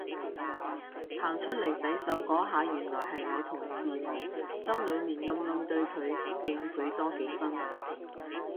行出嚟洗手嗰下原來係我同事嚟，心裏面暗暗對佢敬佩多幾分